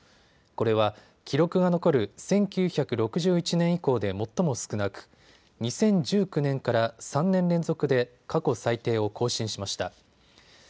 これは記録が残る１９６１年以降で最も少なく２０１９年から３年連続で過去最低を更新しました。